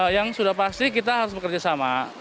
yang sudah pasti kita harus bekerja sama